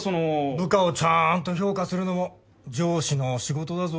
部下をちゃんと評価するのも上司の仕事だぞ。